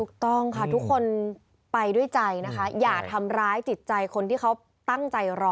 ถูกต้องค่ะทุกคนไปด้วยใจนะคะอย่าทำร้ายจิตใจคนที่เขาตั้งใจรอ